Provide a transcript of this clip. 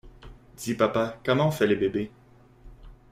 Dis papa, comment on fait les bébés?